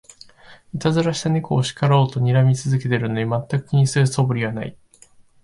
いたずらした猫を叱ろうとにらみ続けてるのに、まったく気にする素振りはない